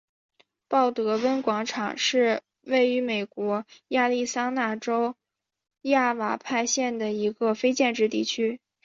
鲍德温广场是位于美国亚利桑那州亚瓦派县的一个非建制地区。